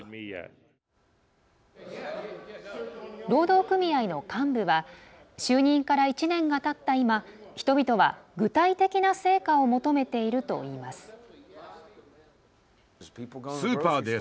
労働組合の幹部は就任から１年がたった今人々は具体的な成果を求めているといいます。